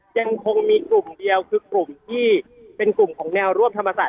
ยังคงมีกลุ่มเดียวคือกลุ่มที่เป็นกลุ่มของแนวร่วมธรรมศาส